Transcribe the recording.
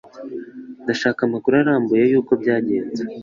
Ndashaka amakuru arambuye yuko byagenze.